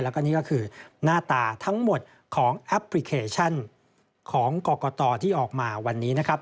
แล้วก็นี่ก็คือหน้าตาทั้งหมดของแอปพลิเคชันของกรกตที่ออกมาวันนี้นะครับ